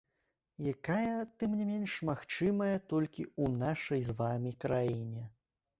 Якая, тым не менш, магчымая толькі ў нашай з вамі краіне.